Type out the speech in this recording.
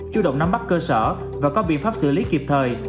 chủ động nắm bắt cơ sở và có biện pháp xử lý kịp thời